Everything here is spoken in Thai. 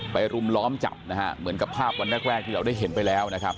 รุมล้อมจับนะฮะเหมือนกับภาพวันแรกแรกที่เราได้เห็นไปแล้วนะครับ